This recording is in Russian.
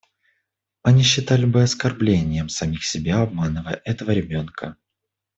Они считали бы оскорблением самих себя обманывать этого ребенка.